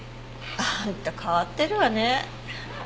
あんた変わってるわね。